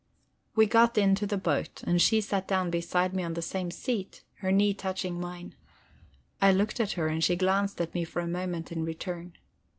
We got into the boat, and she sat down beside me on the same seat, her knee touching mine. I looked at her, and she glanced at me for a moment in return.